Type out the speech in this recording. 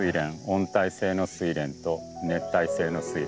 温帯性のスイレンと熱帯性のスイレン。